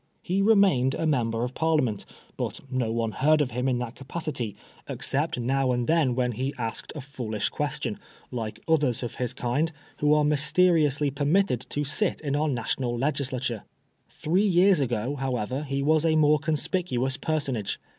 He remained a Member of Parliament, but no one heard of him in that capacity, except now and then when he 28 PRISONER FOR BLASPHEMY. asked a foolish question, like others of his kind, who are mysteriously permitted to sit in our national legislature. Three years ago, however, he was a more conspicuous personage.